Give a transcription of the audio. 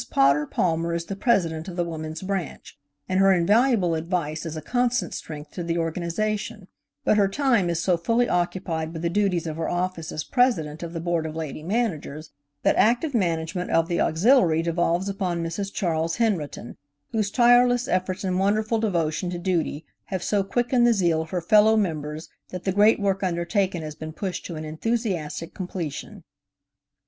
Potter Palmer is the president of the Woman's branch, and her invaluable advice is a constant strength to the organization, but her time is so fully occupied with the duties of her office as president of the Board of Lady Managers that active management of of the Auxiliary devolves upon Mrs. Charles Henrotin, whose tireless efforts and wonderful devotion to duty have so quickened the zeal of her fellow members that the great work undertaken has been pushed to an enthusiastic completion.